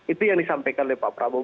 itu yang disampaikan oleh pak prabowo